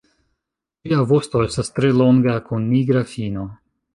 Ĝia vosto estas tre longa kun nigra fino.